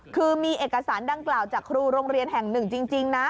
คือมีเอกสารดังกล่าวจากครูโรงเรียนแห่งหนึ่งจริงนะ